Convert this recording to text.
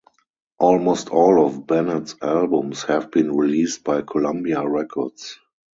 Almost all of Bennett's albums have been released by Columbia Records.